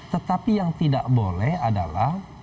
tetapi yang tidak boleh adalah